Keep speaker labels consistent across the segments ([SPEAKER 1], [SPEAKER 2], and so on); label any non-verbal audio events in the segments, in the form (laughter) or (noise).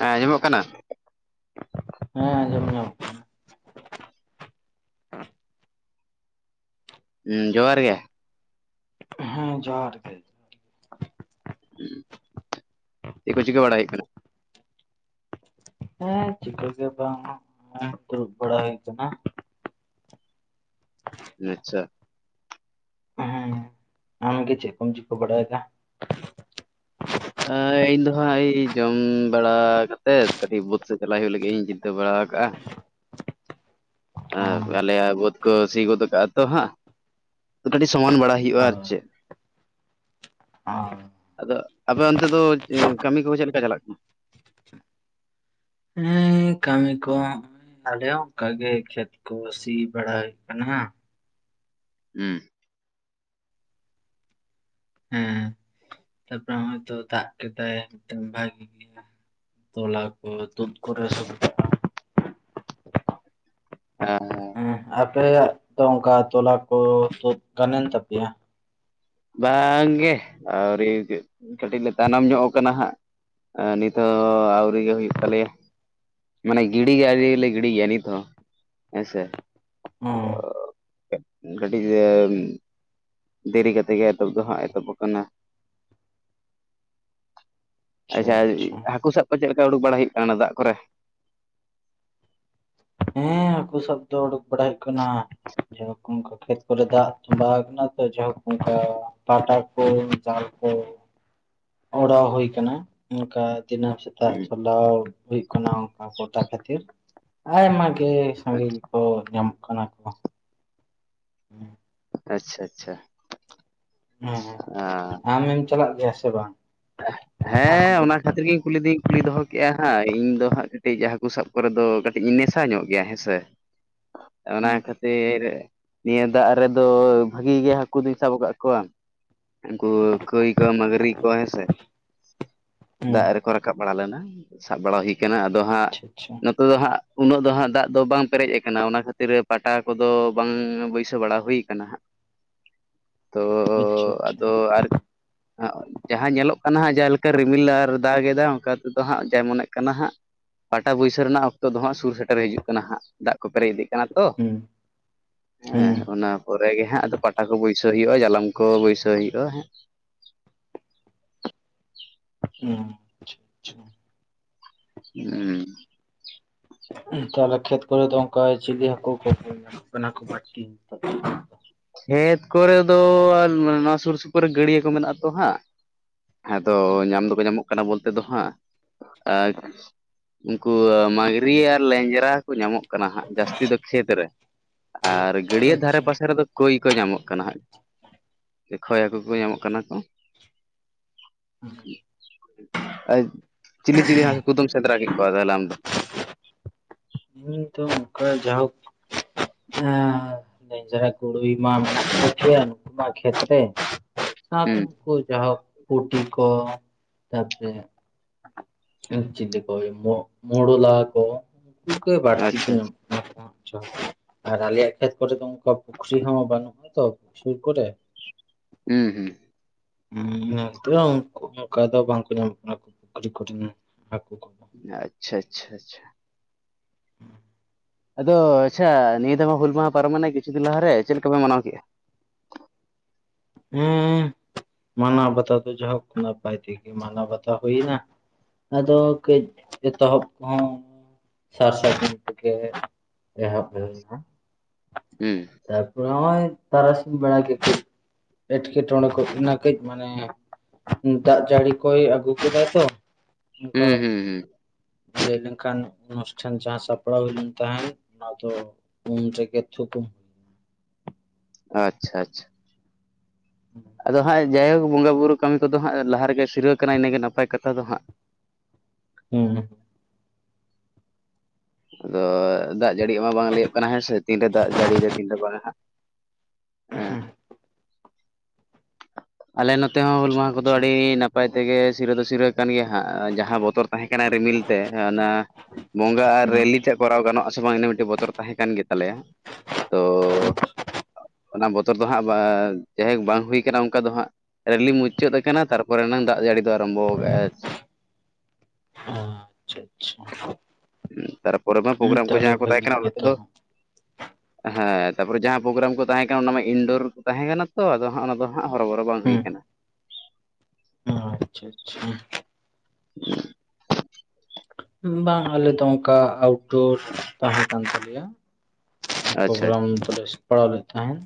[SPEAKER 1] ᱦᱮᱸ ᱧᱟᱢᱚᱜ ᱠᱟᱱᱟ
[SPEAKER 2] ᱦᱮᱸ ᱟᱸᱡᱚᱢ ᱧᱟᱢ
[SPEAKER 1] ᱦᱮᱸ ᱡᱚᱦᱟᱨ ᱜᱮ
[SPEAKER 2] ᱠᱟᱱᱟ ᱦᱮᱸ ᱡᱚᱦᱟᱨ ᱜᱮ
[SPEAKER 1] ᱪᱮᱫ ᱠᱚ ᱪᱤᱠᱟᱹ ᱵᱟᱲᱟᱭ ᱠᱟᱱᱟ
[SPEAKER 2] ᱦᱮᱸ ᱪᱤᱠᱟᱹᱮ ᱵᱟᱝ ᱫᱩᱲᱩᱵ ᱵᱟᱲᱟ ᱦᱩᱭ ᱠᱟᱱᱟ
[SPEAKER 1] ᱟᱪᱪᱷᱟ
[SPEAKER 2] ᱦᱮᱸ ᱟᱢᱜᱮ ᱪᱮᱫ ᱠᱚᱢ ᱪᱤᱠᱟᱹ ᱵᱟᱲᱟᱭᱮᱫᱟ
[SPEAKER 1] ᱮ ᱤᱧ ᱫᱚ ᱦᱟᱸᱜ ᱡᱚᱢ ᱵᱟᱲᱟ ᱠᱟᱛᱮᱫ ᱠᱟᱹᱴᱤᱡ ᱵᱟᱹᱫᱽ ᱥᱮᱫ ᱪᱟᱞᱟᱜ ᱦᱩᱭᱩᱜ ᱞᱟᱹᱜᱤᱫ ᱤᱧ ᱪᱤᱱᱛᱟᱹ ᱵᱟᱲᱟ ᱠᱟᱜᱼᱟ ᱟᱨ ᱟᱞᱮᱭᱟᱜ ᱵᱟᱹᱫᱽ ᱠᱚ ᱥᱤ ᱜᱚᱫ ᱠᱟᱜᱼᱟ ᱛᱚ ᱦᱟᱸᱜ ᱠᱟᱹᱴᱤᱡ ᱥᱚᱢᱟᱱ ᱵᱟᱲᱟᱭ ᱦᱩᱭᱩᱜᱼᱟ ᱟᱨ ᱪᱮᱫ
[SPEAKER 2] ᱦᱚᱸ
[SPEAKER 1] ᱟᱫᱚ ᱟᱯᱮ ᱚᱱᱛᱮ ᱫᱚ ᱠᱟᱹᱢᱤ ᱠᱚᱦᱚ ᱪᱮᱫ ᱞᱮᱠᱟ ᱪᱟᱞᱟᱜ ᱠᱟᱱᱟ
[SPEAKER 2] ᱦᱮᱸ ᱠᱟᱹᱢᱤ ᱠᱚ ᱟᱞᱮ ᱦᱚᱸ ᱚᱱᱠᱟ ᱜᱮ ᱠᱷᱮᱛ ᱠᱚ ᱥᱤ ᱵᱟᱲᱟᱭ ᱠᱟᱱᱟ ᱦᱟᱹᱜ
[SPEAKER 1] ᱦᱮᱸ
[SPEAKER 2] ᱦᱮᱸ ᱛᱟᱯᱚᱨᱮ ᱦᱚᱜ ᱚᱭᱛᱚ ᱫᱟᱜ ᱠᱮᱫᱟᱭ ᱢᱤᱫᱴ ᱵᱷᱟᱜᱤ ᱜᱮᱭᱟ ᱛᱚᱞᱟ ᱠᱚ ᱫᱩᱫ ᱠᱚᱨᱮ ᱥᱚᱵ
[SPEAKER 1] ᱦᱮᱸ ᱦᱮᱸ
[SPEAKER 2] ᱦᱮ ᱟᱯᱮᱭᱟᱜ ᱫᱚ ᱚᱱᱠᱟ ᱛᱚᱞᱟ ᱠᱚ ᱛᱩᱫ ᱠᱟᱱᱮᱱ ᱛᱟᱯᱮᱭᱟ
[SPEAKER 1] ᱵᱟᱝᱜᱮ ᱟᱹᱣᱨᱤ ᱠᱟᱹᱴᱤᱡ ᱞᱮ ᱛᱟᱭᱱᱚᱢ ᱧᱚᱜ ᱠᱟᱱᱟ ᱦᱟᱸᱜ ᱱᱤᱛ ᱦᱚᱸ ᱟᱹᱣᱨᱤ ᱜᱮ ᱦᱩᱭᱩᱜ ᱛᱟᱞᱮᱭᱟ ᱢᱟᱱᱮ ᱜᱤᱲᱤ ᱟᱣᱨᱤ ᱜᱮᱲᱤᱭᱟ ᱱᱤᱛᱚ ᱦᱮᱸᱥᱮ
[SPEAKER 2] ᱦᱩᱸ
[SPEAKER 1] ᱠᱟᱹᱴᱤᱡ ᱮ ᱫᱮᱨᱤ ᱠᱟᱛᱮᱜ ᱜᱮ ᱮᱛᱚᱦᱚᱵ ᱫᱚ ᱦᱟᱸᱜ ᱮᱛᱚᱦᱚᱵ ᱟᱠᱟᱱᱟ ᱟᱪᱪᱷᱟ ᱦᱟᱹᱠᱩ ᱥᱟᱵ ᱠᱚ ᱪᱮᱫ ᱞᱮᱠᱟ ᱩᱰᱩᱠ ᱵᱟᱲᱟ ᱦᱩᱭᱩᱜ ᱠᱟᱱᱟ ᱫᱟᱜ ᱠᱚᱨᱮ
[SPEAKER 2] ᱦᱮᱸ ᱦᱟᱹᱠᱩ ᱥᱟᱵ ᱫᱚ ᱩᱰᱩᱠ ᱵᱟᱲᱟ ᱦᱩᱭᱩᱜ ᱠᱟᱱᱟ ᱡᱟᱦᱳᱠ ᱚᱝᱠᱟ ᱠᱷᱮᱛ ᱠᱚᱨᱮ ᱫᱟᱜ ᱵᱟᱲᱟ ᱠᱟᱱᱟ ᱛᱚ ᱡᱟᱭᱦᱳᱠ ᱚᱱᱠᱟ ᱯᱟᱴᱟ ᱠᱚ ᱡᱟᱞ ᱠᱚ ᱚᱲᱟᱣ ᱦᱩᱭ ᱠᱟᱱᱟ ᱚᱱᱠᱟ ᱫᱤᱱᱟᱹᱢ ᱥᱮᱛᱟᱜ ᱦᱩᱭᱩᱜ ᱠᱟᱱᱟ ᱚᱱᱠᱟ ᱜᱚᱴᱟ ᱠᱷᱟᱹᱛᱤᱨ ᱟᱭᱢᱟ ᱜᱮ ᱥᱟᱜᱤᱧ
[SPEAKER 1] ᱟᱪᱪᱷᱟ
[SPEAKER 2] ᱚ ᱧᱟᱢᱚᱜ ᱠᱟᱱᱟ ᱠᱚ ᱦᱮᱸ
[SPEAKER 1] ᱟᱪᱪᱷᱟ ᱟᱪᱪᱷᱟ
[SPEAKER 2] ᱦᱮᱸ ᱦᱮᱸ
[SPEAKER 1] ᱟᱸ,
[SPEAKER 2] ᱟᱢᱮᱢ ᱪᱟᱞᱟᱜ ᱜᱮᱭᱟ ᱥᱮ ᱵᱟᱝ ᱦᱟᱹᱠᱩ
[SPEAKER 1] ᱦᱮᱸ ᱚᱱᱟ
[SPEAKER 2] ᱜᱚᱰᱟ
[SPEAKER 1] ᱠᱷᱟᱹᱛᱤᱨ ᱠᱷᱟᱛᱤᱨᱜᱮ ᱠᱩᱞ ᱠᱩᱞᱤ ᱫᱚᱦᱚ ᱠᱮᱫᱼᱟ ᱦᱟᱸᱜ ᱤᱧ ᱫᱚ ᱦᱟᱸᱜ ᱠᱟᱹᱴᱤᱡ ᱦᱟᱹᱠᱩ ᱥᱟᱵ ᱠᱚᱨᱮ ᱫᱚ ᱠᱟᱹᱴᱤᱡ ᱤᱧ ᱱᱮᱥᱟ ᱧᱚᱜ ᱜᱮᱭᱟ ᱦᱮᱸ ᱥᱮ ᱚᱱᱟ
[SPEAKER 2] ᱦᱩᱸ
[SPEAKER 1] ᱠᱷᱮᱛ ᱱᱤᱭᱟᱹ ᱫᱟᱜ ᱨᱮᱫᱚ ᱵᱷᱟᱹᱜᱤ ᱜᱮ ᱦᱟᱹᱠᱩ ᱫᱩᱧ ᱥᱟᱵ ᱟᱠᱟᱫ ᱠᱚᱣᱟ ᱩᱱᱠᱩ ᱠᱚᱭ ᱠᱚ ᱢᱟᱹᱜᱨᱤ ᱠᱚ ᱦᱮᱸ ᱥᱮ
[SPEAKER 2] ᱦᱩᱸ
[SPEAKER 1] ᱫᱟᱜ ᱨᱮᱠᱚ ᱨᱟᱠᱟᱵ ᱵᱟᱲᱟ ᱞᱮᱱᱟ ᱥᱟᱵ ᱵᱟᱲᱟ ᱦᱩᱭᱠᱟᱱᱟ ᱟᱫᱚ ᱦᱟᱸᱜ
[SPEAKER 2] ᱟᱪᱷᱟ ᱟᱪᱷᱟ
[SPEAKER 1] ᱱᱚᱛᱮ ᱫᱚ ᱦᱟᱸᱜ ᱩᱱᱟᱹᱜ ᱫᱚ ᱦᱟᱸᱜ ᱫᱟᱜ ᱫᱚ ᱵᱟᱝ ᱯᱮᱨᱮᱡ ᱠᱟᱱᱟ ᱚᱱᱟ ᱠᱷᱟᱹᱛᱤᱨ ᱯᱟᱴᱟ ᱠᱚᱫᱚ ᱵᱟᱝ ᱵᱟᱹᱭᱥᱟᱹᱣ ᱵᱟᱲᱟ ᱦᱩᱭ ᱠᱟᱱᱟ ᱦᱟᱸᱜ ᱛᱚ
[SPEAKER 2] ᱟᱪᱪᱷᱟ ᱟᱪᱪᱷᱟ
[SPEAKER 1] ᱟᱫᱚ ᱟᱨ ᱡᱟᱦᱟᱸ ᱧᱮᱞᱚᱜ ᱠᱟᱱᱟ ᱦᱟᱸ ᱡᱟᱦᱟᱸᱮ ᱨᱤᱢᱤᱞ ᱟᱨ ᱫᱟᱜ ᱮᱫᱟᱭ ᱚᱱᱠᱟ ᱛᱮᱫᱚ ᱦᱟᱸᱜ ᱡᱟ ᱢᱚᱱᱮᱜ ᱠᱟᱱᱟ ᱦᱟᱸᱜ ᱯᱟᱴᱟ ᱵᱟᱹᱭᱥᱟᱣ ᱨᱮᱱᱟᱜ ᱚᱠᱛᱚ ᱫᱚ ᱦᱟᱸᱜ ᱥᱩᱨ ᱥᱮᱴᱮᱨ ᱯᱮᱨᱮᱡᱚᱜ ᱠᱟᱱᱟ ᱦᱟᱜ ᱫᱟᱜ ᱠᱚ ᱯᱮᱨᱮᱡ ᱤᱫᱤᱜ ᱠᱟᱱᱟ ᱛᱚ
[SPEAKER 2] ᱦᱩᱸ ᱦᱩᱸ
[SPEAKER 1] ᱦᱮᱸ ᱚᱱᱟ ᱯᱚᱨᱮᱜᱮ ᱜᱮ ᱦᱟᱸᱜ ᱟᱫᱚ ᱯᱟᱴᱟ ᱠᱚ ᱵᱟᱹᱭᱥᱟᱹᱣ ᱦᱩᱭᱩᱜᱼᱟ ᱡᱟᱞᱟᱢ ᱠᱚ ᱵᱟᱹᱭᱥᱟᱹᱣ ᱦᱩᱭᱩᱜᱼᱟ ᱦᱟᱜ
[SPEAKER 2] ᱚᱸ
[SPEAKER 1] ᱩᱸ
[SPEAKER 2] ᱛᱟᱦᱚᱞᱮ ᱠᱷᱮᱛ ᱠᱚᱨᱮ ᱫᱚ ᱚᱱᱠᱟ ᱪᱤᱞᱤ ᱦᱟᱹᱠᱩ ᱠᱷᱮᱛ ᱠᱟᱱᱟ ᱠᱚ ᱵᱟᱹᱲᱛᱤ
[SPEAKER 1] ᱠᱷᱮᱛ ᱠᱚᱨᱮ ᱫᱚ ᱱᱚᱣᱟ ᱥᱩᱨ ᱥᱩᱯᱩᱨ ᱨᱮ ᱜᱟᱹᱰᱭᱟᱹ ᱠᱚ ᱢᱮᱱᱟᱜ ᱟᱛᱚ ᱦᱟᱸᱜ ᱟᱫᱚ
[SPEAKER 2] ᱫᱚ
[SPEAKER 1] ᱧᱟᱢ ᱫᱚᱠᱚ ᱧᱟᱢᱚᱜ ᱠᱟᱱᱟ ᱵᱚᱞᱛᱮ ᱫᱚ ᱦᱟᱸᱜ ᱟᱨ ᱩᱱᱠᱩ ᱢᱟᱹᱜᱽᱨᱤ ᱟᱨ ᱞᱮᱸᱡᱨᱟ ᱠᱚ ᱧᱟᱢᱚᱜ ᱠᱟᱱᱟ ᱦᱟᱸᱜ ᱡᱟᱹᱥᱛᱤ ᱫᱚ ᱠᱷᱮᱛ ᱨᱮ ᱟᱨ ᱜᱟᱹᱰᱭᱟᱹ ᱫᱷᱟᱨᱮ
[SPEAKER 2] ᱟᱪᱪᱷᱟ
[SPEAKER 1] ᱯᱟᱥᱮ ᱨᱮᱫᱚ ᱠᱟᱹᱭ ᱠᱚ ᱧᱟᱢᱚᱜ ᱠᱟᱱᱟ ᱦᱟᱸᱜ ᱥᱮ ᱠᱷᱚᱭ ᱦᱟᱹᱠᱩ ᱠᱚ ᱧᱟᱢᱚᱜ ᱠᱟᱱᱟ ᱠᱚ
[SPEAKER 2] ᱦᱩᱸ
[SPEAKER 1] ᱪᱤᱞᱤ ᱪᱤᱞᱤ ᱦᱟᱸᱠᱩ ᱠᱩᱫᱚᱢ ᱥᱮᱸᱫᱽᱨᱟ ᱠᱮᱫ ᱠᱚᱣᱟ ᱛᱟᱦᱚᱞᱮ ᱟᱢ ᱫᱚ
[SPEAKER 2] ᱤᱧ ᱫᱚ ᱚᱝᱠᱟ ᱡᱟᱭᱦᱳᱠ ᱵᱮᱧᱡᱨᱟ ᱜᱩᱲᱟᱹᱭ ᱢᱟ ᱢᱮᱱᱟᱜ (unintelligible) ᱥᱟᱶᱛᱮ
[SPEAKER 1] ᱦᱩᱸ
[SPEAKER 2] ᱩᱱᱠᱩ ᱡᱟᱭᱦᱳᱠ ᱯᱩᱴᱤ ᱠᱚ ᱛᱟᱨᱯᱚᱨᱮ ᱟᱨ ᱪᱤᱞᱤ ᱠᱚ ᱢᱳ ᱢᱳᱲᱩᱞᱟ ᱠᱚ ᱩᱱᱠᱩ ᱜᱮ ᱵᱟᱹᱲᱛᱤ ᱠᱚ
[SPEAKER 1] ᱟᱪᱪᱷᱟ
[SPEAKER 2] ᱧᱟᱢᱚᱜ ᱦᱟᱜ ᱠᱟᱱᱟ ᱪᱚ ᱟᱨ ᱟᱞᱮᱭᱟ ᱠᱷᱮᱛ ᱠᱚᱨᱮ ᱚᱱᱠᱟ ᱯᱩᱠᱷᱨᱤ ᱠᱚᱦᱚ ᱵᱟᱱᱩᱜ ᱛᱚ ᱥᱩᱨ ᱠᱚᱨᱮ
[SPEAKER 1] ᱦᱮᱸ ᱦᱮᱸ
[SPEAKER 2] ᱦᱩ (unintelligible) ᱚᱱᱠᱟ ᱫᱚ ᱵᱟᱝᱠᱚ ᱧᱟᱢᱚᱜ ᱠᱟᱱᱟ ᱯᱩᱠᱷᱨᱤ ᱠᱚᱨᱮ ᱦᱟᱹᱠᱩ ᱠᱚ
[SPEAKER 1] ᱟᱪᱪᱷᱟ ᱟᱪᱪᱷᱟ ᱟᱪᱪᱷᱟ ᱟᱫᱚ ᱟᱪᱪᱷᱟ ᱱᱤᱭᱟᱹ ᱫᱟᱣ ᱢᱟ ᱦᱩᱞ ᱢᱟᱦᱟ ᱯᱟᱨᱚᱢᱮᱱᱟ ᱠᱤᱪᱷᱩ ᱫᱤᱱ ᱞᱟᱦᱟᱨᱮ ᱪᱮᱫ ᱞᱮᱠᱟᱯᱮ ᱢᱟᱱᱟᱣ ᱠᱮᱫᱼᱟ
[SPEAKER 2] ᱦᱮᱸ ᱢᱟᱱᱟ ᱵᱟᱛᱟᱣ ᱫᱚ ᱡᱟᱭᱦᱚᱠ ᱱᱟᱯᱟᱭ ᱛᱮᱜᱮ ᱢᱟᱱᱟᱣ ᱵᱟᱛᱟᱣ ᱦᱩᱭᱱᱟ ᱟᱫᱚ ᱠᱟᱹᱡ ᱮᱛᱚᱦᱚᱵ ᱠᱚᱦᱚᱸ ᱥᱟᱨ ᱥᱟᱜᱩᱱ ᱛᱮᱜᱮ ᱮᱦᱚᱵ ᱦᱩᱭ ᱱᱟ
[SPEAKER 1] ᱦᱩᱸ
[SPEAKER 2] ᱛᱟᱨᱯᱚᱨ ᱜᱚᱭ ᱛᱟᱨᱟᱥᱤ ᱵᱮᱲᱟ ᱜᱮ ᱮᱴᱠᱮᱴᱚᱬᱮ ᱠᱚ ᱤᱱᱟ. ᱠᱟᱹᱡ ᱢᱟᱱᱮ ᱫᱟᱜ ᱡᱟᱹᱲᱤ ᱠᱚᱭ ᱟᱹᱜᱩ ᱠᱮᱫᱟᱭ ᱛᱚ ᱚᱱᱠᱟ
[SPEAKER 1] ᱦᱩᱸ ᱦᱩᱸ ᱦᱩᱸ
[SPEAKER 2] ᱞᱟᱹᱭ ᱞᱮᱱᱠᱷᱟᱱ ᱚᱱᱩᱥᱴᱷᱟᱱ ᱡᱟᱦᱟᱸ ᱥᱟᱯᱲᱟᱣ ᱦᱩᱭ ᱞᱮᱱ ᱛᱟᱦᱮ ᱚᱱᱟ ᱫᱚ ᱩᱱ ᱨᱮᱜᱮ ᱛᱩᱠᱩᱢ
[SPEAKER 1] ᱟᱪᱪᱷᱟ ᱟᱪᱪᱷᱟ
[SPEAKER 2] ᱦᱩᱸ
[SPEAKER 1] ᱟᱫᱚ ᱦᱟᱸᱜ ᱡᱟᱭᱦᱳᱠ ᱵᱚᱸᱜᱟ ᱵᱩᱨᱩ ᱠᱟᱹᱢᱤ ᱠᱚᱫᱚ ᱦᱟᱸᱜ ᱞᱟᱦᱟ ᱨᱮᱜᱮ ᱥᱤᱨᱟᱹᱣ ᱠᱟᱱᱟ ᱤᱱᱟᱹᱜᱮ ᱱᱟᱯᱟᱭ ᱠᱟᱛᱷᱟ ᱫᱚ ᱦᱟᱸᱜ
[SPEAKER 2] ᱦᱩᱸ
[SPEAKER 1] ᱟᱫᱚ ᱫᱟᱜ ᱡᱟᱹᱲᱟᱜ ᱢᱟ ᱵᱟᱝ ᱞᱟᱹᱭᱟᱜ ᱠᱟᱱᱟ ᱦᱮᱸ ᱥᱮ ᱛᱤᱱᱨᱮ ᱫᱟᱜ ᱡᱟᱹᱲᱤ ᱭᱮᱫᱟᱭ ᱛᱤᱱᱨᱮ ᱵᱟᱝᱦᱟᱸᱜ (unintelligible) ᱟᱞᱮ ᱱᱚᱛᱮ ᱦᱚᱸ ᱦᱩᱞ ᱢᱟᱦᱟ ᱠᱚᱫᱚ
[SPEAKER 2] ᱟᱪᱪᱷᱟ
[SPEAKER 1] ᱟᱹᱰᱤ ᱱᱟᱯᱟᱭ ᱛᱮᱜᱮ ᱥᱤᱨᱟᱹ ᱫᱚ ᱥᱤᱨᱟᱹ ᱠᱟᱱ ᱜᱮᱭᱟ ᱦᱟᱸᱜ ᱡᱟᱦᱟᱸ ᱵᱚᱛᱚᱨ ᱛᱟᱦᱮᱸ ᱠᱟᱱᱟ ᱨᱤᱢᱤᱞ ᱛᱮ ᱚᱱᱟ ᱵᱚᱸᱜᱟ ᱟᱨ
[SPEAKER 2] ᱦᱩᱸ
[SPEAKER 1] ᱨᱮᱹᱞᱤ ᱛᱮᱫ ᱠᱚᱨᱟᱣ ᱜᱟᱱᱚᱜ ᱟᱥᱮ ᱵᱟᱝ ᱤᱱᱟᱹ ᱢᱤᱫᱴᱤᱡ ᱵᱚᱛᱚᱨ ᱛᱟᱦᱮᱸ ᱠᱟᱱ ᱜᱮ ᱛᱟᱞᱮᱭᱟ᱾ ᱛᱚ ᱚᱱᱟ ᱵᱚᱛᱚᱨ ᱫᱚ ᱦᱟᱸᱜ ᱡᱟᱭᱦᱳᱠ ᱵᱟᱝ ᱦᱩᱭ ᱚᱱᱠᱟ ᱫᱚ ᱦᱟᱸᱜ ᱨᱮᱞᱤ ᱢᱩᱪᱟᱹᱫ ᱟᱠᱟᱱᱟ ᱛᱟᱨᱯᱚᱨᱮ ᱱᱟᱝ ᱫᱟᱜ ᱡᱟᱹᱲᱤ ᱫᱚ ᱟᱨᱟᱢᱵᱚ ᱠᱟᱜᱼᱟᱭ (inaudible)
[SPEAKER 2] ᱟᱪᱪᱷᱟ ᱟᱪᱪᱷᱟ
[SPEAKER 1] ᱛᱟᱨᱯᱚᱨᱮ ᱢᱟ
[SPEAKER 2] ᱦᱩᱸ
[SPEAKER 1] ᱯᱚᱨᱜᱨᱟᱢ ᱠᱚ
[SPEAKER 2] ᱛᱟᱦᱚᱞᱮ
[SPEAKER 1] ᱡᱟᱦᱟᱸ ᱠᱚ ᱛᱟᱦᱮᱸ
[SPEAKER 2] ᱵᱷᱟᱹᱜᱤ
[SPEAKER 1] ᱠᱟᱱᱟ ᱚᱱᱟ
[SPEAKER 2] ᱜᱮᱛᱚ
[SPEAKER 1] ᱠᱚᱫᱚ ᱦᱮᱸ ᱛᱟᱯᱚᱨᱮ ᱡᱟᱦᱟᱸ ᱯᱳᱜᱨᱟᱢ ᱠᱚ ᱛᱟᱦᱮᱸ ᱠᱟᱱᱟ ᱚᱱᱟ ᱢᱟ ᱤᱱᱰᱳᱨ ᱠᱚ ᱛᱟᱦᱮᱸ ᱠᱟᱱᱟ ᱛᱚ ᱟᱫᱚ ᱦᱟᱸᱜ ᱚᱱᱟ ᱫᱚ ᱱᱟᱜ ᱦᱚᱨᱚ ᱵᱚᱨᱚ ᱵᱟᱝ ᱦᱩᱭᱠᱟᱱᱟ᱾
[SPEAKER 2] ᱟᱪᱷᱟ ᱟᱪᱷᱟ
[SPEAKER 1] (unintelligible)
[SPEAKER 2] ᱵᱟᱝ ᱟᱞᱮ ᱫᱚ ᱚᱱᱠᱟ ᱟᱣᱩᱴᱰᱳᱨ ᱛᱟᱦᱮᱸ ᱠᱟᱱ ᱛᱟᱞᱮᱭᱟ
[SPEAKER 1] ᱟᱪᱪᱷᱟ
[SPEAKER 2] ᱯᱚᱜᱨᱟᱢ ᱠᱚᱫᱚ ᱯᱟᱲᱟᱣ ᱞᱮᱫ ᱛᱟᱦᱮᱸᱫ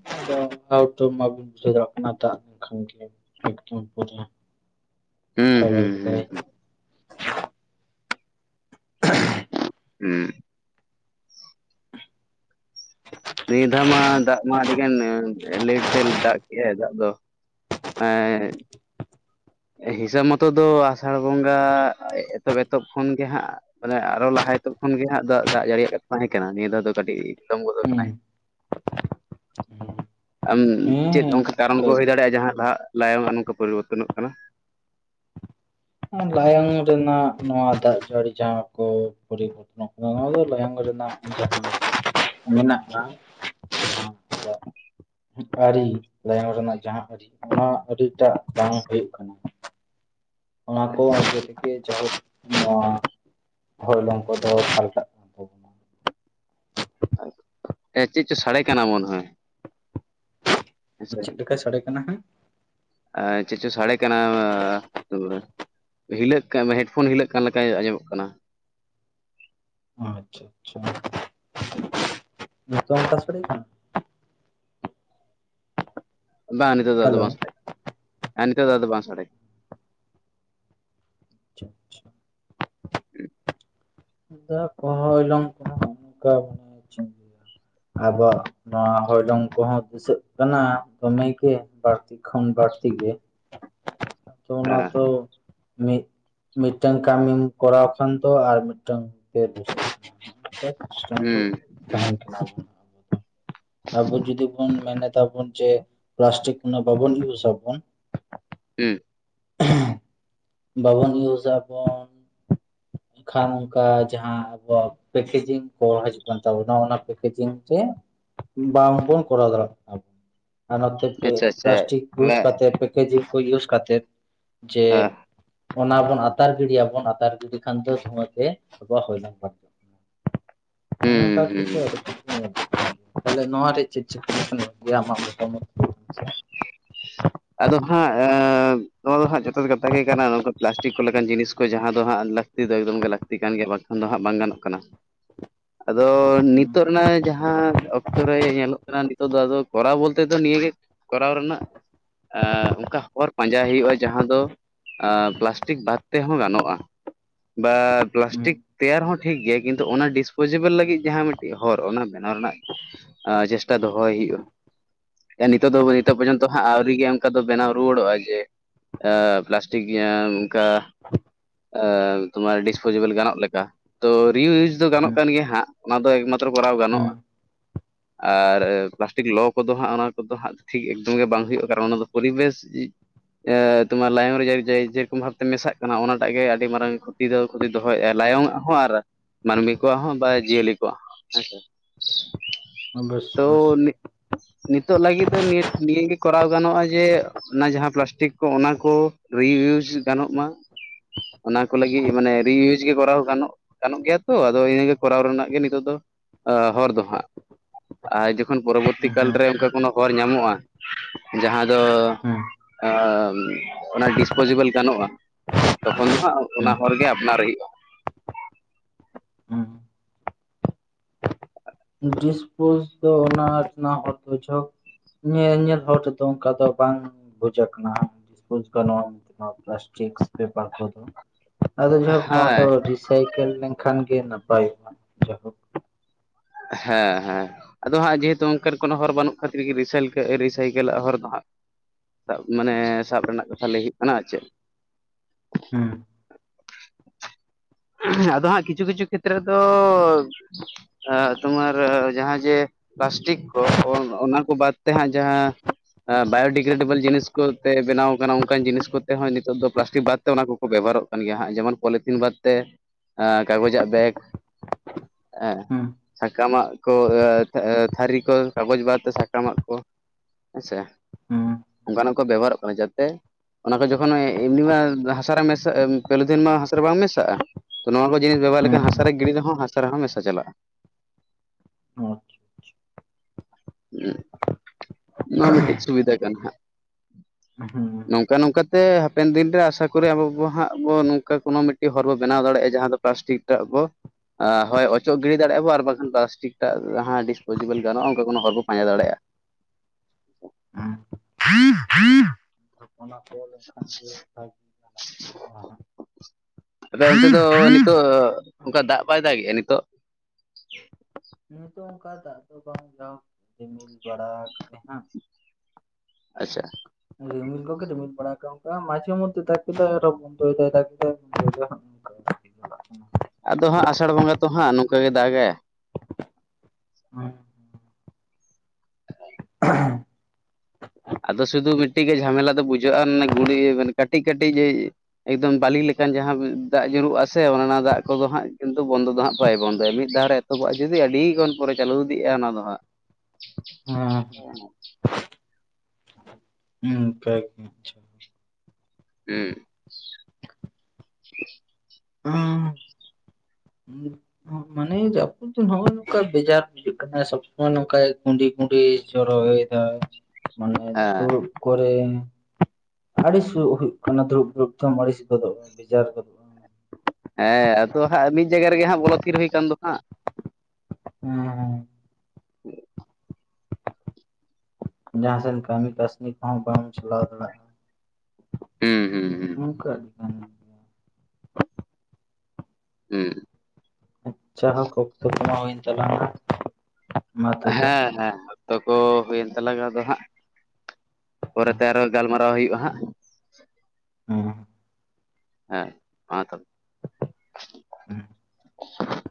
[SPEAKER 2] ᱟᱫᱚ (unintelligible) ᱠᱟᱱᱟ ᱫᱟᱜ ᱞᱮᱱᱠᱷᱟᱱ ᱜᱮ
[SPEAKER 1] ᱦᱩᱸ ᱦᱩᱸ ᱦᱩᱸ
[SPEAKER 2] (unintelligible)
[SPEAKER 1] ᱦᱩᱸ ᱱᱤᱭᱟᱹ ᱫᱷᱟᱣ ᱢᱟ ᱫᱟᱜ ᱢᱟ ᱟᱹᱰᱤ ᱜᱟᱱ ᱞᱮᱴ ᱛᱮ ᱫᱟᱜ ᱠᱮᱫᱮᱜᱟᱭ ᱫᱟᱜ ᱫᱚ (unintelligible) ᱦᱤᱥᱟᱹᱵ ᱢᱚᱛᱚ ᱫᱚ ᱟᱥᱟᱲ ᱵᱚᱸᱜᱟ ᱮᱛᱚᱦᱚᱵᱽᱼᱮᱛᱚᱦᱚᱵᱽ ᱠᱷᱚᱱ ᱜᱮ ᱦᱟᱸᱜ ᱢᱟᱱᱮ ᱟᱨᱚᱭ ᱞᱟᱦᱟ ᱦᱤᱛᱚᱜ ᱠᱷᱚᱱ ᱜᱮ ᱫᱟᱜ ᱡᱟᱹᱲᱤᱭᱟᱜ ᱛᱟᱦᱮᱸ ᱠᱟᱱᱟ ᱱᱤᱭᱟᱹ ᱫᱷᱟᱣ ᱫᱚ ᱠᱟᱹᱴᱤᱡ ᱵᱤᱞᱚᱢ ᱜᱚᱫ
[SPEAKER 2] ᱦᱩᱸ
[SPEAKER 1] ᱠᱟᱱᱟᱭ᱾ ᱟᱢ
[SPEAKER 2] ᱦᱮᱸ
[SPEAKER 1] ᱪᱮᱫ
[SPEAKER 2] ᱦᱮᱸ
[SPEAKER 1] ᱚᱱᱠᱟ ᱠᱟᱨᱚᱱ ᱠᱚ ᱦᱩᱭ
[SPEAKER 2] ᱚᱱᱠᱟᱜᱮ
[SPEAKER 1] ᱫᱟᱲᱮᱭᱟᱜᱼᱟ ᱡᱟᱦᱟᱸ ᱞᱟᱦᱟᱜ ᱞᱟᱭᱚᱜ ᱱᱚᱝᱠᱟ ᱯᱚᱨᱤᱵᱚᱨᱛᱚᱱᱚᱜ ᱠᱟᱱᱟ᱾
[SPEAKER 2] (unintelligible) ᱨᱮᱱᱟᱜ ᱱᱚᱣᱟ ᱫᱟᱜ ᱡᱟᱹᱲᱤ ᱡᱟᱦᱟᱸ ᱠᱚ ᱯᱚᱨᱤᱵᱚᱨᱛᱚᱱ ᱱᱚᱣᱟ ᱫᱚ ᱞᱟᱭᱚᱝ ᱨᱮᱱᱟᱜ ᱢᱮᱱᱟᱜᱼᱟ (unintelligible) ᱟᱹᱨᱤ ᱞᱟᱭᱚᱝ ᱨᱮᱱᱟᱜ ᱡᱟᱦᱟᱸ ᱟᱹᱨᱤ ᱚᱱᱟ ᱟᱹᱰᱤᱴᱟᱜ ᱵᱟᱝ ᱦᱩᱭᱩᱜ ᱠᱟᱱᱟ᱾ ᱚᱱᱟ ᱠᱚ ᱚᱱ
[SPEAKER 1] ᱟᱪᱪᱷᱟ
[SPEAKER 2] ᱛᱮᱜᱮ ᱡᱚ ᱱᱚᱣᱟ ᱦᱚᱞᱚᱝ ᱠᱚᱫᱚ ᱯᱟᱞᱴᱟᱜ ᱠᱟᱱᱟ
[SPEAKER 1] ᱪᱮᱫ ᱪᱚ ᱥᱟᱰᱮ ᱠᱟᱱᱟ ᱢᱚᱱ ᱦᱚᱸᱭ
[SPEAKER 2] ᱪᱮᱫ ᱞᱮᱠᱟᱭ ᱥᱟᱰᱮ ᱠᱟᱱᱟ ᱦᱟᱜ
[SPEAKER 1] ᱪᱮᱫ ᱪᱚ ᱥᱟᱲᱮ ᱠᱟᱱᱟ ᱦᱤᱞᱟᱹᱜ ᱠᱟᱱ ᱦᱮᱸᱰᱯᱷᱳᱱ ᱦᱤᱞᱟᱹᱜ ᱠᱟᱱ ᱞᱮᱠᱟᱭ ᱟᱸᱡᱚᱢᱚᱜ ᱠᱟᱱᱟ
[SPEAKER 2] (unintelligible) ᱱᱤᱛᱚᱝ ᱚᱱᱠᱟ ᱥᱟᱰᱮ ᱠᱟᱱᱟ᱾
[SPEAKER 1] ᱵᱟᱝ ᱱᱤᱛᱚᱜ ᱫᱚ
[SPEAKER 2] ᱦᱮᱞᱳ
[SPEAKER 1] ᱵᱟᱝ ᱥᱟᱰᱮ ᱱᱤᱛᱚᱜ ᱫᱚ ᱵᱟᱝ ᱥᱟᱰᱮ ᱠᱟᱱᱟ
[SPEAKER 2] (unintelligible)
[SPEAKER 1] (unintelligible)
[SPEAKER 2] (unintelligible) ᱟᱵᱚᱣᱟᱜ ᱱᱚᱣᱟ ᱦᱚᱭᱞᱚᱝ ᱠᱚᱦᱚᱸ ᱫᱤᱥᱟᱹᱜ ᱠᱟᱱᱟ ᱫᱚᱢᱮ ᱜᱮ ᱵᱟᱹᱲᱛᱤ ᱠᱷᱚᱱ ᱵᱟᱹᱲᱛᱤ ᱜᱮ᱾
[SPEAKER 1] (unintelligible)
[SPEAKER 2] ᱚᱱᱟ ᱛᱚ ᱢᱤᱫ ᱢᱤᱫᱴᱟᱝ ᱠᱟᱹᱦᱤᱢ ᱠᱚᱨᱟᱣ ᱠᱷᱟᱱ ᱛᱚ ᱟᱨ ᱢᱤᱫ
[SPEAKER 1] ᱦᱩᱸ ᱦᱩᱸ
[SPEAKER 2] (unintelligible) ᱟᱵᱚ ᱡᱩᱫᱤ ᱵᱚᱱ ᱢᱮᱱᱮᱫᱟ ᱵᱚᱱ ᱡᱮ ᱯᱞᱟᱥᱴᱤᱠ ᱩᱱᱟᱹᱜ ᱵᱟᱵᱚᱱ ᱭᱩᱡᱟᱵᱚᱱ᱾
[SPEAKER 1] ᱦᱩᱸ
[SPEAKER 2] ᱵᱟᱵᱚᱱ ᱤᱭᱩᱡᱟᱵᱚᱱ ᱮᱱᱠᱷᱟᱱ ᱚᱱᱠᱟ ᱡᱟᱦᱟᱸ ᱯᱮᱠᱮᱡᱤᱝ ᱠᱚ ᱦᱤᱡᱩᱜ ᱠᱟᱱ ᱛᱟᱵᱚᱱᱟ ᱚᱱᱟ ᱯᱮᱠᱮᱡᱤᱝ ᱛᱮ ᱵᱟᱝᱵᱚᱱ ᱠᱚᱨᱟᱣ ᱫᱟᱲᱮᱭᱟᱜ ᱟᱵᱚ ᱟᱨ ᱱᱚᱛᱮ
[SPEAKER 1] ᱟᱪᱪᱷᱟ ᱟᱪᱪᱷᱟ
[SPEAKER 2] ᱯᱞᱟᱥᱴᱤᱠ ᱜᱳᱡ ᱠᱟᱛᱮ ᱯᱮᱠᱮᱡᱤᱝ ᱠᱚ ᱤᱭᱩᱡᱽ ᱠᱟᱛᱮᱫ ᱡᱮ ᱚᱱᱟ ᱵᱚᱱ ᱟᱛᱟᱨ ᱜᱤᱰᱤᱭᱟᱵᱚᱱ ᱟᱛᱟᱨ ᱜᱤᱰᱤ ᱠᱷᱟᱱ ᱫᱚ ᱫᱷᱩᱣᱟ. ᱛᱮ ᱟᱵᱚᱣᱟᱜ (unintelligible) ᱚᱱᱮ
[SPEAKER 1] ᱦᱩᱸ
[SPEAKER 2] ᱚᱱᱠᱟ
[SPEAKER 1] ᱦᱩᱸ
[SPEAKER 2] ᱠᱤᱪᱷᱩ (unintelligible) ᱮ ᱛᱟᱦᱞᱮ ᱱᱚᱣᱟᱣᱟᱨᱮ ᱪᱮᱫ ᱪᱤᱠᱟ. ᱦᱩᱭᱩᱜ ᱜᱮᱭᱟ ᱟᱢᱟᱜ ᱢᱚᱛᱟᱢᱚᱛ
[SPEAKER 1] ᱟᱫᱚ ᱦᱟᱸᱜ ᱱᱚᱣᱟ ᱫᱚ ᱦᱟᱸᱜ ᱡᱚᱛᱷᱟᱛ ᱠᱟᱛᱷᱟ ᱜᱮ ᱠᱟᱱᱟ ᱯᱞᱟᱥᱴᱤᱠ ᱠᱚ ᱞᱮᱠᱟᱱ ᱡᱤᱱᱤᱥ ᱠᱚ ᱡᱟᱦᱟᱸ ᱫᱚ ᱦᱟᱸᱜ ᱞᱟ. ᱠᱛᱤ ᱫᱚ ᱮᱠᱫᱚᱢ ᱜᱮ ᱞᱟᱹᱠᱛᱤ ᱠᱟᱱ ᱜᱮᱭᱟ ᱵᱟᱝᱠᱷᱟᱱ ᱫᱚ ᱦᱟᱸᱜ ᱵᱟᱝ ᱜᱟᱱᱚᱜ ᱠᱟᱱᱟ ᱟᱫᱚ
[SPEAKER 2] ᱦᱩᱸ
[SPEAKER 1] ᱱᱤᱛᱚᱜ ᱨᱮᱱᱟᱜ ᱡᱟᱦᱟᱸ ᱚᱠᱛᱚ ᱨᱮ ᱧᱮᱞᱚᱜ ᱠᱟᱱᱟ ᱱᱤᱛᱚᱜ ᱫᱚ ᱟᱫᱚ ᱠᱚᱨᱟᱣ ᱵᱚᱞᱛᱮ ᱫᱚ ᱱᱤᱭᱟᱹ ᱜᱮ ᱠᱚᱨᱟᱣ ᱨᱮᱱᱟᱜ ᱮᱫ ᱚᱱᱠᱟ ᱦᱚᱨ ᱯᱟᱸᱡᱟ ᱦᱩᱭᱩᱜᱼᱟ ᱡᱟᱦᱟᱸ ᱫᱚ ᱯᱞᱟᱥᱴᱤᱠ ᱵᱟᱫ ᱛᱮᱦᱚᱸ ᱜᱟᱱᱚᱜᱼᱟ ᱵᱟ
[SPEAKER 2] ᱦᱩᱸ
[SPEAKER 1] ᱯᱞᱟᱥᱴᱤᱠ ᱛᱮᱭᱟᱨ ᱦᱚᱸ ᱴᱷᱤᱠ ᱜᱮᱭᱟ ᱠᱤᱱᱛᱩ ᱚᱱᱟ ᱰᱤᱥᱯᱚᱡᱤᱵᱮᱞ ᱞᱟᱹᱜᱤᱫ ᱡᱟᱦᱟᱸ ᱢᱤᱫᱴᱤᱡ ᱦᱚᱨ ᱚᱱᱟ ᱵᱮᱱᱟᱣ ᱨᱮᱱᱟᱜ ᱪᱮᱥᱴᱟ ᱫᱚᱦᱚᱭ ᱦᱩᱭᱩᱜᱼᱟ ᱟᱨ ᱱᱤᱛᱚᱜ ᱫᱚ ᱱᱤᱛᱚᱜ ᱯᱚᱨᱡᱚᱱᱛᱚ ᱦᱟᱸᱜ ᱟᱹᱣᱨᱤᱜᱮ ᱚᱱᱠᱟ ᱫᱚ ᱵᱮᱱᱟᱣ ᱨᱩᱣᱟᱹᱲᱚᱜᱼᱟ ᱡᱮ ᱯᱟᱞᱟᱥᱴᱤᱠ ᱚᱱᱠᱟ ᱛᱚᱢᱟᱨ ᱰᱤᱥᱯᱚᱡᱤᱵᱮᱞ ᱜᱟᱱᱚᱜ ᱞᱮᱠᱟ ᱛᱚ ᱨᱤᱭᱤᱭᱩᱡᱽ ᱫᱚ ᱜᱟᱱᱚᱜ
[SPEAKER 2] ᱦᱩᱸ
[SPEAKER 1] ᱠᱟᱱ ᱜᱮᱭᱟ ᱦᱟᱸᱜ ᱚᱱᱟ ᱫᱚ ᱮᱠᱢᱟᱛᱨᱚ ᱠᱚᱨᱟᱣ
[SPEAKER 2] ᱦᱩᱸ
[SPEAKER 1] ᱜᱟᱱᱚᱜᱼᱟ ᱟᱨ ᱯᱞᱟᱥᱴᱤᱠ ᱞᱚ ᱠᱚᱫᱚ ᱦᱟᱸᱜ ᱚᱱᱟ ᱠᱚᱫᱚ ᱦᱟᱸᱜ ᱴᱷᱤᱠ ᱥᱜ ᱜᱮ ᱵᱟᱝ ᱦᱩᱭᱩᱜᱼᱟ ᱠᱟᱨᱚᱱ ᱚᱱᱟ ᱫᱚ ᱯᱚᱨᱤ ᱵᱮᱥ ᱛᱚᱢᱟᱨ ᱞᱟᱭᱚᱝ ᱨᱮ ᱡᱮᱨᱚᱠᱚᱢ ᱵᱷᱟᱵᱛᱮ ᱢᱮᱥᱟᱜ ᱠᱟᱱᱟ ᱚᱱᱟᱴᱟᱜ ᱜᱮ ᱟᱹᱰᱤ ᱢᱟᱨᱟᱝ ᱛᱤ ᱫᱚ ᱠᱷᱩᱛᱤ ᱫᱚᱦᱚᱭᱮᱫᱼᱟ ᱞᱟᱭᱚᱝᱼᱜ ᱦᱚᱸ ᱟᱨ ᱢᱟᱹᱱᱢᱤ ᱠᱚᱣᱟᱜ ᱦᱚᱸ ᱵᱟ ᱡᱤᱭᱟᱹᱞᱤ ᱠᱚᱣᱟᱜ ᱦᱚᱸ ᱦᱮᱸ ᱥᱮ
[SPEAKER 2] ᱚᱵᱚᱥᱥᱳᱭ
[SPEAKER 1] ᱛᱚ
[SPEAKER 2] ᱚᱵᱚᱥᱥᱳᱭ
[SPEAKER 1] ᱱᱤᱛᱳᱜ ᱞᱟᱹᱜᱤᱫ ᱫᱚ ᱱᱤᱭᱟᱹ ᱱᱤᱭᱟᱹᱜ ᱜᱮ ᱠᱚᱨᱟᱣ ᱜᱟᱱᱚᱜᱼᱟ ᱡᱮ ᱚᱱᱟ ᱡᱟᱦᱟᱸ ᱯᱞᱟᱥᱴᱤᱠ ᱠᱚ ᱚᱱᱟ ᱠᱚ ᱨᱤᱭᱩᱡᱽ ᱜᱟᱱᱚᱜ ᱢᱟ ᱚᱱᱟ ᱠᱚ ᱞᱟᱹᱜᱤᱫ ᱢᱟᱱᱮ ᱨᱤᱭᱩᱡᱽ ᱜᱮ ᱠᱚᱨᱟᱣ ᱜᱟᱱᱚᱜ ᱜᱟᱱᱚᱜ ᱜᱮᱭᱟ ᱛᱚ ᱟᱫᱚ ᱤᱱᱟᱹᱜᱮ ᱠᱚᱨᱟᱣ ᱨᱮᱱᱟᱜ ᱜᱮ ᱱᱤᱛᱚᱜ ᱫᱚ ᱦᱚᱨ ᱫᱚ ᱦᱟᱸᱜ ᱟᱨ ᱡᱚᱠᱷᱚᱱ ᱯᱚᱨᱚᱵᱚᱨᱛᱤ
[SPEAKER 2] ᱦᱩᱸ ᱦᱩᱸ
[SPEAKER 1] ᱠᱟᱞᱨᱮ ᱚᱱᱠᱟ ᱠᱳᱱᱳ ᱦᱚᱨ ᱧᱟᱢᱚᱜᱼᱟ ᱡᱟᱦᱟᱸ ᱫᱚ
[SPEAKER 2] ᱦᱩᱸ
[SPEAKER 1] ᱚᱱᱟ ᱰᱤᱥᱯᱚᱡᱤᱵᱮᱞ ᱜᱟᱱᱚᱜᱼᱟ ᱛᱚᱠᱷᱚᱱ ᱫᱚ ᱦᱟᱸᱜ ᱚᱱᱟ
[SPEAKER 2] ᱦᱩᱸ
[SPEAKER 1] ᱦᱚᱨᱜᱮ ᱟᱯᱱᱟᱨ ᱦᱩᱭᱩᱜᱼᱟ
[SPEAKER 2] ᱦᱩᱸ
[SPEAKER 1] (inaudible)
[SPEAKER 2] ᱰᱤᱥᱯᱩᱥ ᱫᱚ ᱚᱱᱟ ᱨᱮᱱᱟᱜ (unintelligible) ᱚᱛᱚ ᱡᱷᱚᱠ ᱧᱮᱧᱮᱞ ᱦᱚᱲ ᱛᱮᱫᱚ ᱚᱱᱠᱟ ᱫᱚ ᱵᱟᱝ ᱵᱩᱡ ᱟᱠᱟᱱᱟ ᱡ (unintelligible) ᱯᱟᱞᱟᱥᱴᱤᱠ ᱟᱫᱚ ᱡᱟᱭᱦᱚᱠ ᱱᱚᱣᱟ ᱫᱚ
[SPEAKER 1] ᱦᱮᱸ
[SPEAKER 2] ᱨᱤᱥᱟᱭᱠᱮᱞ ᱞᱮᱱᱠᱷᱟᱱ ᱜᱮ ᱱᱟᱯᱟᱭ ᱠᱚᱼᱟ ᱡᱟᱭ ᱦᱚᱠ
[SPEAKER 1] ᱦᱮᱸ ᱦᱮᱸ ᱟᱫᱚ ᱦᱟᱸᱜ ᱡᱮᱦᱮᱛᱩ ᱚᱱᱠᱟᱱ ᱠᱚᱱᱚ ᱦᱚᱨ ᱵᱟᱹᱱᱩᱜ ᱠᱷᱟᱹᱛᱤᱨ ᱨᱤᱥᱟᱭᱠ ᱨᱤᱥᱟᱭᱠᱮᱞᱟᱜ ᱦᱚᱨ ᱫᱚ ᱦᱟᱸᱜ ᱢᱟᱱᱮ ᱥᱟᱵ ᱨᱮᱱᱟᱜ ᱠᱟᱛᱷᱟ ᱞᱟᱹᱭ ᱦᱩᱭᱩᱜ ᱠᱟᱱᱟ ᱟᱨ ᱪᱮᱫ
[SPEAKER 2] ᱦᱩᱸ
[SPEAKER 1] ᱟᱫᱚ ᱦᱟᱸᱜ ᱠᱤᱪᱷᱩ ᱠᱤᱪᱷᱩ ᱠᱷᱮᱛᱨᱚ ᱫᱚ ᱟ ᱛᱩᱢᱟᱨ ᱡᱟᱦᱟᱸ ᱡᱮ ᱯᱟᱞᱟᱥᱴᱤᱠ ᱠᱚ ᱚᱱᱟ ᱠᱚ ᱵᱟᱫ ᱛᱮᱦᱟᱸᱜ ᱡᱟᱦᱟ ᱵᱟᱭᱳᱰᱤᱜᱨᱮᱰᱮᱵᱮᱞ ᱡᱤᱱᱤᱥ ᱠᱚᱛᱮ ᱵᱮᱱᱟᱣ ᱠᱟᱱᱟ ᱚᱱᱠᱟᱱ ᱡᱤᱱᱤᱥ ᱠᱚᱛᱮ ᱦᱚᱸ ᱱᱤᱛᱚᱜ ᱫᱚ ᱯᱟᱞᱟᱥᱴᱤᱠ ᱵᱟᱫ ᱛᱮ ᱚᱱᱟ ᱠᱚ ᱵᱮᱵᱷᱟᱦᱟᱨᱚᱜ ᱠᱟᱱ ᱜᱮᱭᱟ ᱦᱟᱸᱜ ᱡᱮᱢᱚᱱ ᱯᱚᱞᱤᱛᱤᱱ ᱵᱟᱫ ᱛᱮ ᱠᱟᱜᱚᱡᱟᱜ ᱵᱮᱜᱽ ᱦᱮᱸ
[SPEAKER 2] ᱦᱩᱸ
[SPEAKER 1] ᱥᱟᱠᱟᱢᱟᱜ ᱠᱚ ᱮᱸ ᱮᱸ ᱛᱷᱟᱹᱨᱤ ᱠᱚ ᱠᱟᱜᱚᱡᱽ ᱵᱟᱫᱽᱛᱮ ᱥᱟᱠᱟᱢᱟᱜ ᱠᱚ ᱦᱮᱸᱥᱮ
[SPEAKER 2] ᱦᱩᱸ
[SPEAKER 1] ᱚᱱᱠᱟᱱᱟᱜ ᱠᱚ ᱵᱮᱵᱚᱦᱟᱨᱚᱜ ᱠᱟᱱᱟ ᱡᱮᱛᱮ ᱚᱱᱟ ᱠᱚ ᱡᱚᱠᱷᱚᱱ ᱮᱢᱱᱤ ᱢᱟ ᱦᱟᱥᱟᱨᱮ ᱢᱮᱥᱟᱜᱼᱟ ᱯᱮᱞᱚᱛᱷᱤᱱ ᱢᱟ ᱦᱟᱥᱟ ᱨᱮ ᱵᱟᱝ ᱢᱮᱥᱟᱜᱼᱟ ᱛᱚ ᱱᱚᱣᱟ ᱠᱚ ᱡᱤᱱᱤᱥ ᱵᱮᱵᱷᱟᱨ
[SPEAKER 2] ᱦᱩᱸ
[SPEAKER 1] ᱞᱮᱠᱷᱟᱱ ᱦᱟᱥᱟ ᱨᱮ ᱜᱤᱲᱤᱡᱚᱦᱚᱸ ᱦᱟᱥᱟ ᱨᱮᱦᱚᱸ ᱢᱮᱥᱟ ᱪᱟᱞᱟᱜᱼᱟ
[SPEAKER 2] ᱟᱪ ᱪᱷᱟ (unintelligible)
[SPEAKER 1] ᱦᱮᱸ ᱱᱚᱣᱟ ᱢᱤᱫᱴᱤᱡ ᱥᱩᱵᱤᱫᱷᱟ ᱠᱟᱱᱟ ᱦᱟᱸᱜ
[SPEAKER 2] ᱦᱩᱸ (inaudible)
[SPEAKER 1] ᱱᱚᱝᱠᱟ ᱱᱚᱝᱠᱟ ᱛᱮ ᱦᱟᱯᱮᱱ ᱫᱤᱱᱨᱮ ᱟᱥᱟ ᱠᱚᱨᱮ ᱟᱵᱚ ᱵᱚ ᱦᱟᱸᱜ ᱵᱚ ᱱᱚᱝᱠᱟ ᱛᱮ ᱠᱚᱱᱚ ᱢᱤᱫᱴᱤᱡ ᱦᱚᱨ ᱵᱚ ᱵᱮᱱᱟᱣ ᱫᱟᱲᱮᱭᱟᱜᱼᱟ ᱡᱟᱦᱟᱸ ᱫᱚ ᱡᱟᱦᱟᱸ ᱫᱚ ᱯᱟᱞᱟᱥᱴᱤᱠ ᱴᱟᱜ ᱵᱚ ᱦᱳᱭ ᱚᱪᱚᱜ ᱜᱤᱰᱤ ᱫᱟᱲᱮᱭᱟᱜᱼᱟ ᱵᱚ ᱟᱨ ᱵᱟᱝᱠᱷᱟᱱ ᱯᱞᱟᱥᱴᱤᱠ ᱴᱟᱜ ᱡᱟᱦᱟᱸ ᱰᱤᱥᱯᱳᱚᱡᱤᱵᱮᱞ ᱜᱟᱱᱚᱜᱼᱟ ᱡᱮᱠᱳᱱᱳ ᱦᱚᱨ ᱵᱚ ᱯᱟᱸᱡᱟ ᱫᱟᱲᱮᱜᱼᱟ
[SPEAKER 2] ᱦᱩᱸ (unintelligible)
[SPEAKER 1] ᱟᱯᱮ ᱚᱱᱛᱮ ᱫᱚ ᱱᱤᱛᱳᱜ ᱚᱱᱠᱟ ᱫᱟᱜ ᱵᱟᱭ ᱫᱟᱜᱮᱜᱼᱟ ᱱᱤᱛᱳᱜ
[SPEAKER 2] ᱱᱤᱛᱚᱜ ᱚᱱᱠᱟ ᱫᱟᱜ ᱫᱚᱭ ᱫᱟᱜ ᱫᱟ ᱨᱤᱢᱤᱞ ᱵᱟᱲᱟ ᱟᱠᱟᱜ ᱦᱟᱸᱜ
[SPEAKER 1] ᱟᱪᱪᱷᱟ
[SPEAKER 2] ᱨᱤᱢᱤᱞ ᱠᱚᱜᱮ ᱫᱚᱢᱮ (unintelligible) ᱚᱱᱠᱟ ᱢᱟᱡᱷᱮ ᱢᱚᱫᱫᱷᱮ ᱫᱟᱜ ᱠᱮᱫᱟᱭ ᱟᱨᱦᱚᱸ ᱵᱚᱱᱫᱚᱭ ᱫᱟᱭ ᱫᱟᱜ ᱠᱮᱫᱟᱭ ᱟᱨᱦᱚᱸ ᱵᱚᱱᱫᱚᱭ ᱫᱟᱭ ᱦᱟᱸᱜ
[SPEAKER 1] ᱟᱫᱚ ᱦᱟᱸᱜ ᱟᱥᱟᱲ ᱵᱚᱸᱜᱟ ᱛᱚ ᱦᱟᱸᱜ ᱱᱚᱝᱠᱟ ᱜᱮ ᱫᱟᱜᱟᱭ
[SPEAKER 2] ᱦᱮᱸ
[SPEAKER 1] ᱟᱫᱚ ᱥᱩᱫᱷᱩ ᱢᱤᱫᱴᱤᱡ ᱜᱮ ᱡᱷᱟᱢᱮᱞᱟ ᱫᱚ ᱵᱩᱡᱷᱟᱹᱜᱼᱟ ᱚᱱᱮ ᱜᱩᱸᱰᱤᱭᱟᱵᱤᱱ ᱠᱟᱹᱴᱤᱡ ᱠᱟᱹᱴᱤᱡ ᱮᱠᱫᱚᱢ ᱵᱟᱹᱞᱤ ᱞᱮᱠᱟᱱ ᱡᱟᱦᱟᱸ ᱫᱟᱜ ᱧᱩᱨᱩᱜ ᱟᱥᱮ ᱚᱱᱟ ᱚᱱᱟ ᱫᱟᱜ ᱠᱚᱫᱚ ᱦᱟᱸᱜ ᱠᱤᱱᱛᱩ ᱵᱚᱱᱫᱚ ᱫᱚ ᱦᱟᱸᱜ ᱵᱟᱭ ᱵᱚᱱᱫᱚᱭᱟ ᱢᱤᱫ ᱫᱷᱟᱣ ᱨᱮ (unintelligible) ᱟ ᱡᱩᱫᱤ ᱟᱹᱰᱤ ᱜᱟᱱ ᱯᱚᱨᱮ ᱪᱟᱹᱞᱩ ᱤᱫᱤᱜᱼᱟ ᱚᱱᱟ ᱫᱚ ᱦᱟᱸᱜ
[SPEAKER 2] ᱦᱮᱸ ᱦᱮᱸ (unintelligible) ᱦᱩᱸ ᱴᱷᱤᱠ ᱟᱪᱪᱷᱟ
[SPEAKER 1] ᱦᱩᱸ
[SPEAKER 2] (unintelligible) ᱱᱚᱜᱼᱚᱭ ᱱᱚᱝᱠᱟ ᱵᱮᱡᱟᱨ ᱵᱩᱡᱩᱜ ᱠᱟᱱᱟ ᱥᱚᱵᱽ ᱥᱚᱢᱚᱭ ᱱᱚᱝᱠᱟ ᱠᱩᱸᱰᱤ ᱠᱩᱸᱰᱤ ᱡᱚᱨᱚᱭ ᱫᱟᱭ ᱢᱟᱱᱮ
[SPEAKER 1] ᱦᱮᱸ
[SPEAKER 2] ᱫᱩᱲᱩᱵ ᱠᱚᱨᱮ ᱟᱹᱲᱤᱥ ᱦᱩᱭᱩᱜ ᱠᱟᱱᱟ ᱫᱩᱲᱩᱵ ᱫᱩᱲᱩᱵ ᱛᱮᱢ ᱟᱹᱲᱤᱥ ᱜᱚᱫᱚᱜᱼᱟ ᱵᱮᱡᱟᱨ ᱜᱚᱫᱚᱜᱼᱟ ᱦᱮᱸ
[SPEAKER 1] ᱦᱮᱸ ᱟᱫᱚ ᱦᱟᱸᱜ ᱢᱤᱫ ᱡᱟᱭᱜᱟ ᱨᱮᱜᱮ ᱦᱟᱸᱜ ᱵᱚᱞᱚ ᱛᱷᱤᱨ ᱦᱩᱭ ᱠᱟᱱ ᱫᱚ ᱦᱟᱸᱜ
[SPEAKER 2] ᱦᱮᱸ ᱦᱮᱸ ᱡᱟᱦᱟᱸ ᱥᱮᱱ ᱠᱟᱹᱢᱤ ᱠᱟᱹᱥᱱᱤ ᱠᱚᱦᱚᱸ ᱵᱟᱢ ᱪᱟᱞᱟᱣ ᱫᱟᱲᱮᱭᱟᱜᱼᱟ
[SPEAKER 1] ᱦᱩᱸ ᱦᱩᱸ ᱦᱩᱸ
[SPEAKER 2] ᱚᱱᱠᱟᱜ ᱠᱟᱱ
[SPEAKER 1] ᱦᱩᱸ
[SPEAKER 2] ᱟᱪᱪᱷᱟ ᱦᱳᱠ ᱚᱠᱛᱚ ᱠᱚᱢᱟ ᱦᱳᱭᱮᱱ ᱛᱟᱞᱟᱝ-ᱟ ᱢᱟ ᱛᱚᱵᱮ
[SPEAKER 1] ᱦᱮᱸ ᱦᱮᱸ ᱚᱠᱛᱚ ᱠᱚ ᱦᱩᱭᱮᱱ ᱛᱟᱞᱟᱝ-ᱟ ᱟᱫᱚ ᱦᱟᱸᱜ
[SPEAKER 2] ᱦᱮᱸ
[SPEAKER 1] ᱯᱚᱨᱮᱛᱮ ᱟᱨᱚ ᱜᱟᱞᱢᱟᱨᱟᱣ (unintelligible) ᱦᱩᱭᱩᱜᱼᱟ ᱦᱟᱸᱜ
[SPEAKER 2] ᱦᱩᱸ
[SPEAKER 1] ᱦᱮᱸ ᱢᱟ ᱛᱚᱵᱮ
[SPEAKER 2] (unintelligible)
[SPEAKER 1] (inaudible)